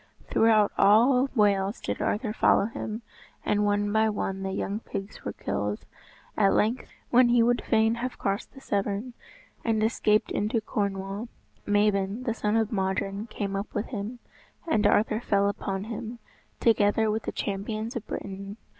Throughout all Wales did Arthur follow him, and one by one the young pigs were killed. At length, when he would fain have crossed the Severn, and escaped into Cornwall, Mabon, the son of Modron, came up with him, and Arthur fell upon him, together with the champions of Britain.